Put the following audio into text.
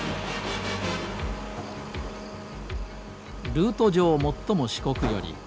ルート上最も四国寄り。